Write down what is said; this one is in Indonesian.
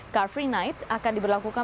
car free night akan diberlakukan